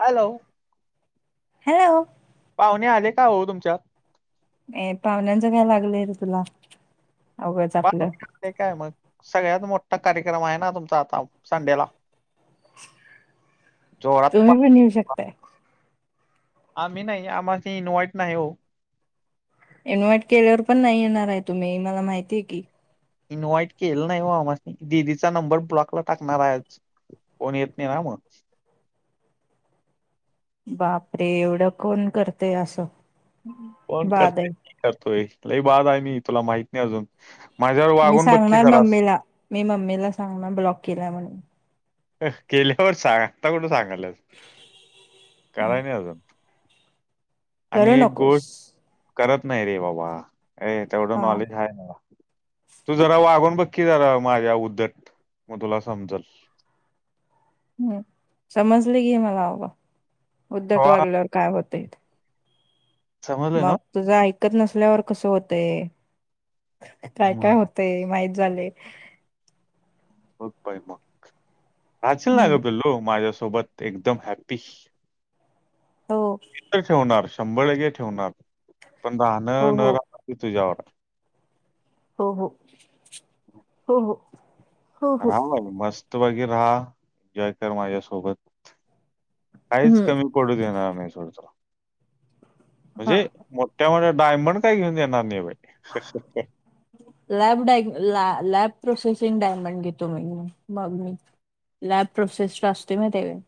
Hello. Hello. पाहुणे आले का हो तुमच्यात ए पाहुण्यांचं काय लागलंय रे तुला उगाच आपलं ते काय मग सगळ्यात मोठा कार्यक्रम आहे ना तुमचा आता संडेला. जोरात पा तुम्ही पण येऊ शकताय. आम्ही नाही आम्हाशी इन्व्हाइट नाही हो. इन्व्हाइट केल्यावर पण नाही येणार आहे तुम्ही मला माहितीय की इन्व्हाइट केलं नाही वो आमासनी दिदीचा नंबर ब्लॉकला टाकणार आहे आज कोण येत नाही ना मग बापरे एवढं कोण करतेय असं. कोण बाद करते आहे मी करतोय लई बाद आहे मी तुला माहित नाही अजून माझ्यावर मी वागून बघ की सांगणार जरास मम्मीला मी मम्मीला सांगणार ब्लॉक केलाय म्हणून केल्यावर सांग आता कुठं सांगालस कराय नाही अजून आणि करू एक नकोस गोष्ट करत नाही रे बाबा र तेवढं हा नॉलेज आहे मला तू जरा वागून बघकी जरा माझ्या उद्दत मग तुला समजल. हम्म समजले गी मला बाबा उद्धट हा वागल्यावर काय होतय. समजलं ना मग तुझं ऐकत नसल्यावर कसं होतंय काय काय होत. मग ते माहित झालय. मग बाय मग राशील ना हम्म ग पिल्लू माझ्यासोबत एकदम हॅप्पी. हो ठेवणार शंभरे टक्के ठेवणार पण राहण हो न हो राहण ति तुजावर हो हो. हो हो. हो हो राहा बा. मस्तपैकी राहा एन्जॉय कर माझ्यासोबत काहीच हम्म कमी पडू देणार नाही सोड तुला हा म्हणजे मो त्यामुळे डायमंड काय घेऊन येणार नाही बाई ह. लॅब डाय लॅब प्रोसेसिंग डायमंड घेतो म मग मी लॅब प्रोसेसट असतोय माय त्याय काय.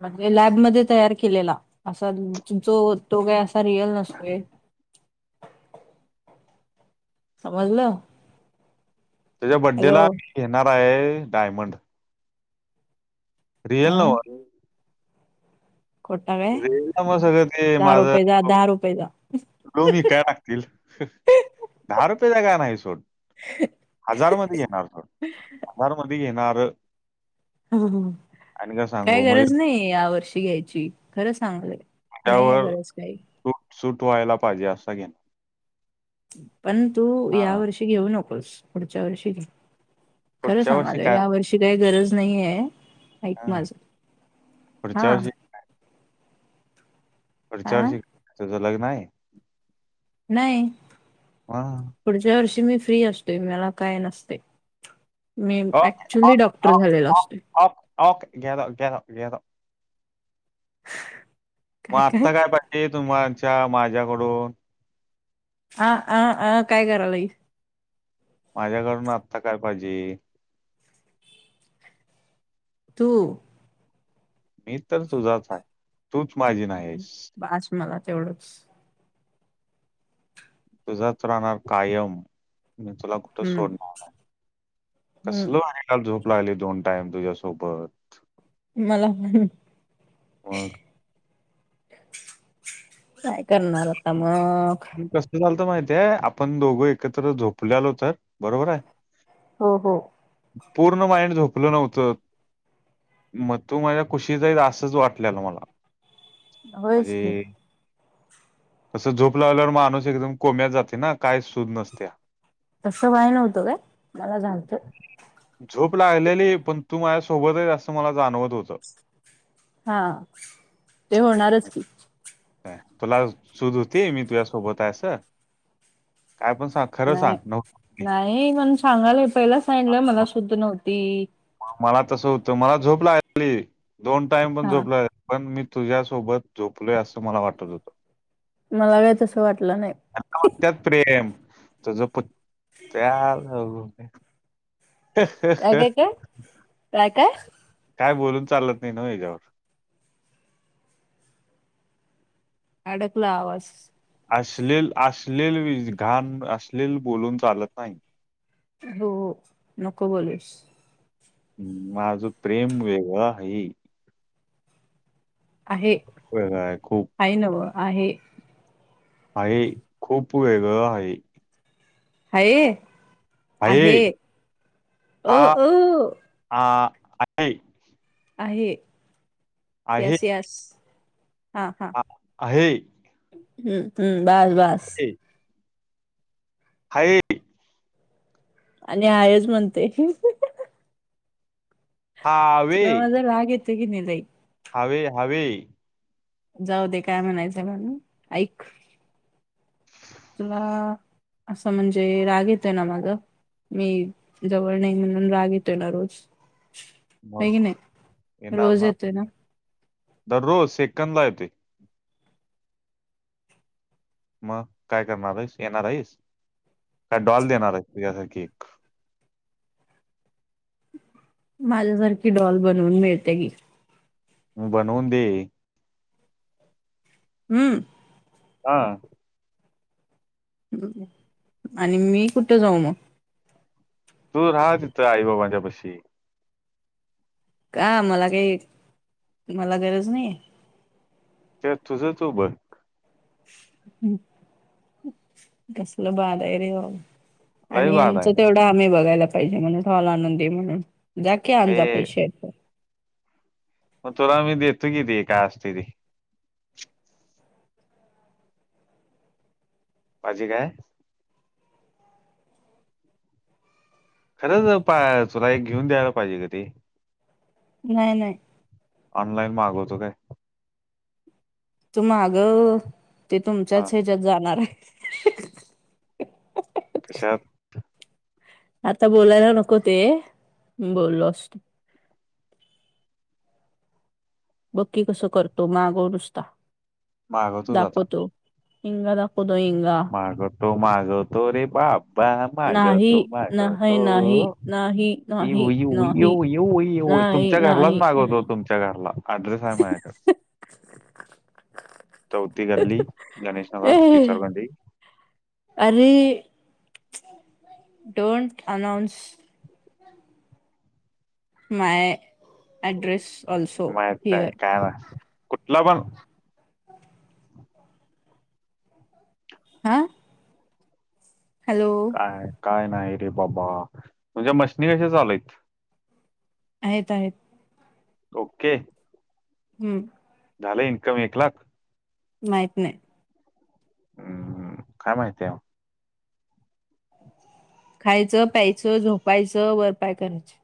म्हणजे लॅबमध्ये तयार केलेला असा जो तो काय असा रिअल नसतोय. समजलं. तुझ्या बड्डे हॅलो ला मी घेणारय आहे डायमंड हा रियल नव ग. खोटा काय रे ना मग सगळं ते दहा माझ रुपयेचा दहा रुपयेचा लो मी काय लागतील दहा रुपयेचा काय नाही सोड. हजार मधे घेणार थोडं हजार मध्ये घेणार. ह. आणि काय सांगू म्हणजे गरज नाही या वर्षी घ्यायची खरं सांगायलोय. त्यावर सुूट सुट व्हायला पाहिजे असा घेण. पण तू या हां. वर्षी घेऊ नकोस पुढच्या वर्षी घे. खरं पुढच्या वर्षी सांगालोय, काय या वर्षी काही गरज नाहीये. ऐक हां. माझं, पुढच्या हा. वर्षी पुढच्या हा वर्षी, तुझं लग्न आहे? नाही हा पुढच्या वर्षी मी फ्री असतोय, मला काय नसतय. मी ऍक्च्युली डॉक्टर झालेलो असतोय. ओक ओक, घ्या जावा, घ्या जावा, घ्या जावा. मग आत्ता काय पाहिजे तुमच्या माझ्याकडून? अ, आ, अ काय करालाईस? माझ्याकडून आत्ता काय पाहिजे? तू. मी तर तुझाच आहे. तूच माझी नाही आहेस. बास मला तेवढंच. तुझाच राहणार कायम. मी तुला कुठ हम्म सोडणार आहे, कसल हम्म आहे काल झोप लागली दोन टाईम तुझ्यासोबत मला पण मग काय करणार आता मग कसं झालंत माहितीय? आपण दोघं एकत्र झोपलेलो तर बरोबर आहे हो हो. पूर्ण माइंड झोपलं नव्हतं मग तू माझ्या खुशीत हाईस असंच वाटलेलं मला. होयचं की. तसं झोप लागल्यावर माणूस एकदम कोम्यात जातोय ना काही सूध नसत्या. तसं व्हाय नव्हतं काय? मला झालत. झोप लागलेली, पण तू माझ्यासोबतच असं मला जाणवत होतं. हा, ते होणारच म्हणजे की. तुला सुध होती मी तुझ्या सोबत आहे अस? काय पण सांग खरं नाही, सांग नव्हती नाही म्हणून सांगालंय पहिलाच मला शुद्ध नव्हती. मला तसं होतं, मला झोपलाली दोन टाइम पण हा झोपला पण मी तुझ्यासोबत झोपलोय असं मला वाटत होतं. मला काय तसं वाटलं नाही. हेला म्हणत्यात प्रेम, तुझत [unintelligible] काय काय काय [unintelligible] काय काय काय बोलून चालत नाही ना याच्यावर. अडकला आवाज. अश्लील अश्लील घाण बोलून चालत नाही. हो, नको बोलूस. हम्! माझं प्रेम वेगळ आहे. आहे, वेगळं आहे खूप हाय नव आहे. आहे, खूप वेगळं आहे. हाये, आहे, अ हा अ. आ आ आहे, आहे यस यस, हा हा. आ- आहे आहे हम्म हम्म बस बस हा आणि आयच म्हणते हावे चला म्र लागे त गीनलंई हावी हावी जाऊ दे काय म्हणायचं म्हणून ऐक तुला असं म्हणजे राग येत आहे ना मग मी जवळ नाही म्हणून राग येतोय ना रोज बगी मग नाही रोज येतो ना दररोज सेकंदला येते मग काय करणार आहेस येणार आहेस काय डॉल देणार आहेस तुझ केक माझ्यासारखी डॉल बनवून मिळते की बनव दे हम्म हा आणि मी कुठे जाऊ मग तू राह तिथं आई बाबांच्या पशी का मला काही मला गरज नाही ते तुझंच उभं कस लबा दय रे लई आणि बाद यांचं आहे तेवढा आम्ही बघायला पाहिजे म्हणून हॉल आनंदी म्हणून जा की आणजा ए पैश मग तुला आ मी देतो किती का असते ती भाजी काय खरंच तुला एक घेऊन द्यायला पाहिजे क तेी नाही नाही ऑनलाईन मागवतो काय तू मागं ते हा तुमच्याच ह्याच्यात जाणार आहे तच्याा आता बोलायला नको ते बोललो असत बक्की कसं करतो मागो नुसता मागवतोच आता दाखवतो हिंगा दाकूदो हिंग मागवतो मागवतो रे बाबा मागवतो नाही नाही मागवतो नाही नाही येऊ नाही येऊ नाही येऊ येऊ येऊ नाही तुमच्या घरलाच नाही मागवत नाही. तुम रला अड्रसहा मा चौथ गल्ली गणेश ए नगर इशरगंडी अरे डोंट अनौनस मा अॲड्रेस माहितय काय ना कुठलं पण हा हॅलो काय नाही रे बाबा तुमच्या्या मशीनी कशा चालयत आहेत आहेत ओके हम्म झालं इन्कम एक लाख माहीत नाही. हम हम. काय महिती ये मग? खायचं, प्यायचं, झोपायचं, वरपाय करायचे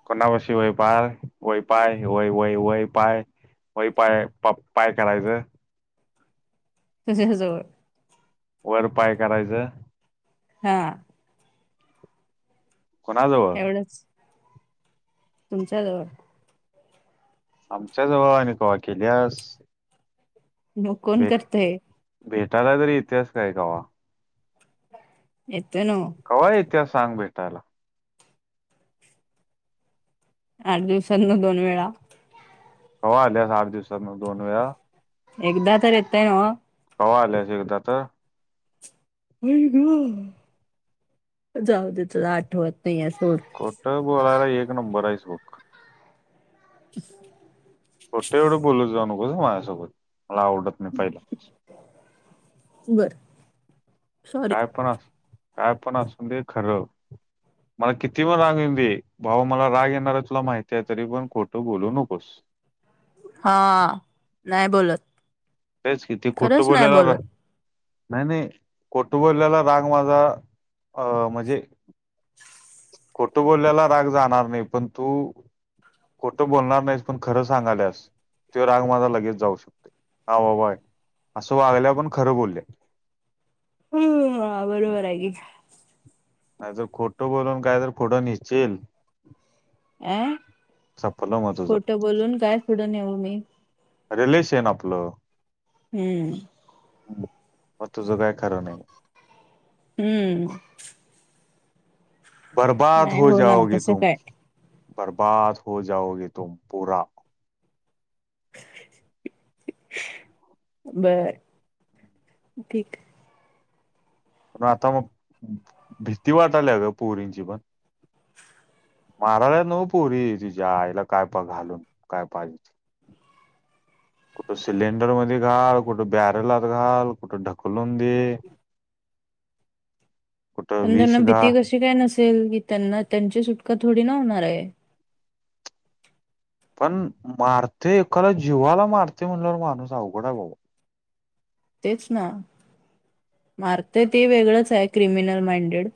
[unintelligible] वय पाय प पाय करायच तेज हे जवळ वर पाय करायचं. हा. कोणा जावळ? तुमच्याजवळ आमच्या जवळ आणि कवा केल्यास? मग कोण भेट करतय? भेटायला तरी इत्यास काय कवा? येतोय नव. कवा येत्यास सांग मला? आठ दिवसातन दोन वेळा कवा आल्यास आठ दिवसात मग दोन वेळा? एकदा तर येतय नव? कवा आल्यास एकदा तर? हम हम. जाऊद तूला आठवत नाही आहे सोड. खोठं बोलायला एक नंबर आहेस बग [inaudible] खोटं एवढ बोलत जाऊ नकोस ह माझ्यासोबत मला आवडत नाही पहिला बरं काय पण अस, काय पण असून दे खर मला किती पण राग येउदे. भाऊ मला राग येणार आहे तुला माहिती आहे. तरी पण खोटं बोलू नकोस. हा. नाही बोलत. तेच किती खोटं खरंच नाही बोलायला बोलत. नाही नाही, खोटं बोललेला राग माझा अ म्हणजे खोटं बोकलेला राग जाणार नाही, पण तू खोठं बोलणार नाहीस पण खरं सांगाल्यास तो राग माझा लगेच जाऊ शकतोय. हा बाबा, असं वागल्या पण खरं बोलल्या हम बरोबर हाय की. नाही तर खोट बोलून काय तर फूड नेशील [unintelligible] संपलं मग तुझं खोटं बोलून काय फूड नेऊ मी? रिलेशन आपल. हम्म. म तुझं काय खरं नाही. हम्म. बरबाद नाही हो होणार जाओगे तसं तुम, काय बरबाद हो जाओगे तुम पुरा. बर, ठीक ये. आता मग, भीती वाटल्या ग पोरींची पण मारायला नव पोरी तीज्या आईला काय पा घालून काय पायजे ते कुठं सिलेंडर मध्ये घाल, कुठं बॅरलत घाल, कुठं ढक्क कुलंदी पण ज्यांना भीती कशी काय नसेल? की त्यांना त्यांची सुटका थोडी ना होणार आहे पण मारते खरं जीवाला मारते म्हणल्यावर माणूस अवघडाय बाबा तेच ना मारते ते वेगळंच आहे क्रिमिनल माइंडेड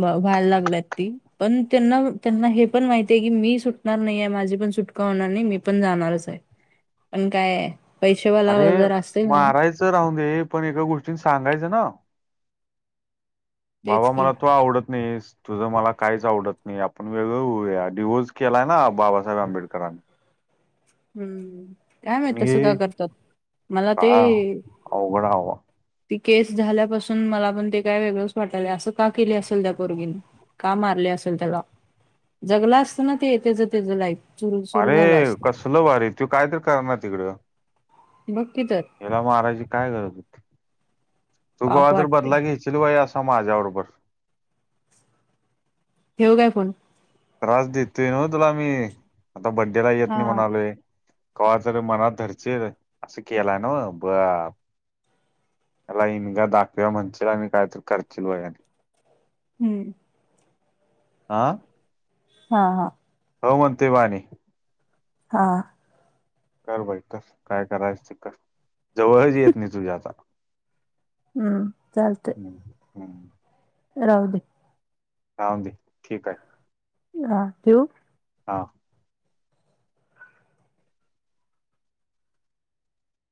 व्हायला लागलात ती पण त्यांना त्यांना हे पण माहिती आहे की मी सुटणार नाही आहे माझी पण सुटका होणार नाही मी पण जाणारच आहे. पण काय पैसेवाला जर असेल ना? त्याचं राहू दे, पण एका गोष्टीं सांगायचं ना‌. तेच बाबा की मला तो आवडत नाहीस तुझं मला काहीच आवडत नाही आपण वेगळं होऊया, डिव्होर्स केलाय ना बाबासाहेब आंबेडकरांनी हम्म, काय माहीत पण तसं का हे करतात मला ते काय अवघड हवा ती केस झाल्यापासून मला पण ते काय वेगळंच वाटायल असं का केले असेल त्या पोरगीनं? का मारली असेल त्याला? जगला असताना ते त्यांच त्यांच लाईफ सुरू सुरू झालं अरे! असतं. कसलं भारी तू काय तरी करणार तिकडं बग की तर याला मरायची काय गरज होती. तू कवा पाप तर वाटतय बदला घ्यायची [unintelligible] माझ्या बरोबर ठेऊ काय फोन? त्रास देतोय न्हव तुला आम्ही, आता बड्डेला येत हा नाही म्हणालोय कवा तर मनात धरशील, असं केलाय न्हव बरं ह्याला इंगा दाखऊया म्हणशील आणि काय तरी करशील बघा हम्म हा हा हा हो म्हणतोय ब आणि हा कर बाई कर काय करायचं, ते कर जवळच येत नाही तुझ्या आता हम्म चालतय हम्म हम्म राहू दे राहुंदे, ठीकय हा ठेऊ? हा